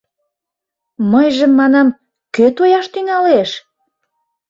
Мыйжым, манам, кӧ тояш тӱҥалеш?